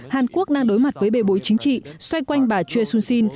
hàn quốc đang đối mặt với bê bối chính trị xoay quanh bà choi soon sin